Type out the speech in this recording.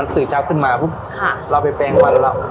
ตื่นเช้าคืนมาปุ๊บเราไปแปลงฟัน